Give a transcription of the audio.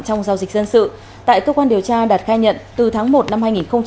trong giao dịch dân sự tại cơ quan điều tra đạt khai nhận từ tháng một năm hai nghìn hai mươi